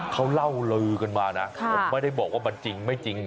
เขาเล่าลือกันมานะผมไม่ได้บอกว่ามันจริงไม่จริง